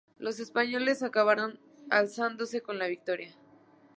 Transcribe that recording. Los españoles acabaron alzándose con la victoria.